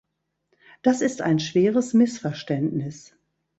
Das ist ein schweres Missverständnis.